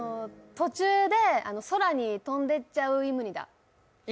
途中で空に飛んでっちゃうイムニダ。